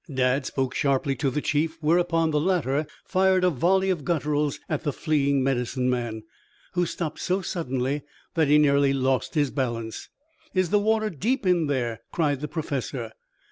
Dad spoke sharply to the chief, whereupon the latter fired a volley of gutturals at the fleeing Medicine Man, who stopped so suddenly that he nearly lost his balance. "Is the water deep in there?" cried the Professor.